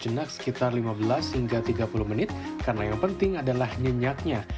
jenak sekitar lima belas hingga tiga puluh menit karena yang penting adalah nyenyaknya